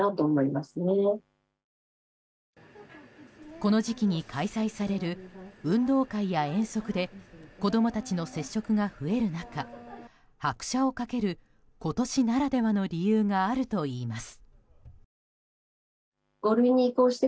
この時期に開催される運動会や遠足で子供たちの接触が増える中拍車を掛ける、今年ならではの理由があるといいます。